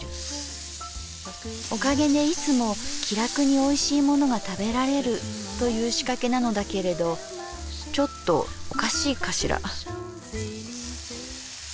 おかげでいつも気楽においしいものが食べられるという仕掛けなのだけれどちょっとおかしいかしら」。